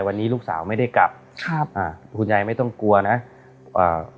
วันนี้ลูกสาวไม่ได้กลับครับอ่าคุณยายไม่ต้องกลัวนะอ่า